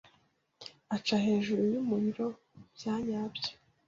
aca hejuru y’umuriro byanyabyo